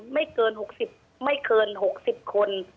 ไม่เกิน๖๐คน